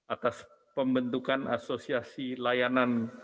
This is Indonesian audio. atas pembentukan asosiasi layanan